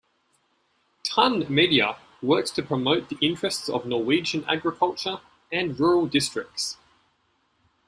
Tun Media works to promote the interests of Norwegian agriculture and rural districts.